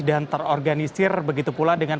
dan terorganisir begitu pula dengan